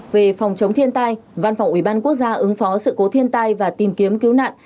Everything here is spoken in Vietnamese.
về phòng chống thiên tai văn phòng ủy ban quốc gia ứng phó sự cố thiên tai và tìm kiếm cứu nạn